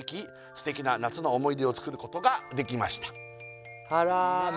「すてきな夏の思い出を作ることができました」